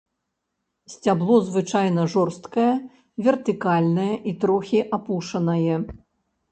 Сцябло звычайна жорстка вертыкальнае і трохі апушанае.